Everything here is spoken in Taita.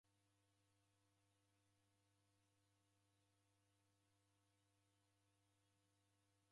Mtalo ghwa w'andu w'ose daw'ida ghubonyero kafwani ghughora w'ada?